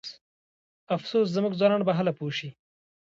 افسوس زموږ ځوانان به هله پوه شي.